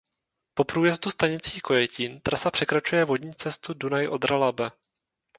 Po průjezdu stanicí Kojetín trasa překračuje vodní cestu Dunaj–Odra–Labe.